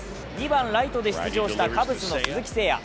２番・ライトで出場したカブスの鈴木誠也。